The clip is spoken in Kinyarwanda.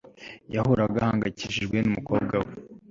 Yahoraga ahangayikishijwe numukobwa we